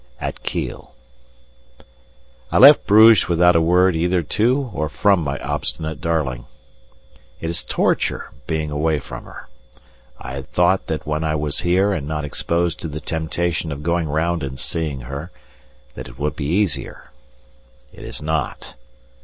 At Kiel. I left Bruges without a word either to or from my obstinate darling. It is torture being away from her. I had thought that when I was here and not exposed to the temptation of going round and seeing her, that it would be easier; it is not.